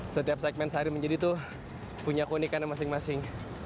setiap segmen sehari menjadi itu punya keunikan masing masing